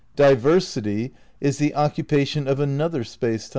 Diversity is the occupation of another space time."